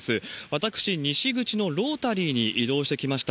私、西口のロータリーに移動してきました。